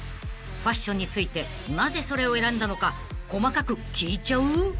［ファッションについてなぜそれを選んだのか細かく聞いちゃう？］